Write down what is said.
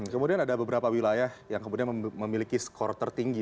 kemudian ada beberapa wilayah yang kemudian memiliki skor tertinggi